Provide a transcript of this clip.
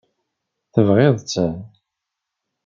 Tebɣiḍ-t?